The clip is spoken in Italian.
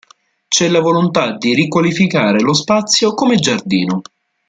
C'è la volontà di riqualificare lo spazio come giardino.